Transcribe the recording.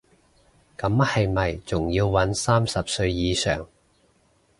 咁係咪仲要搵三十歲以上